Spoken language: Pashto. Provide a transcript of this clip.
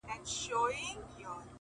او د ټولني د فکر په ژورو کي ژوند کوي,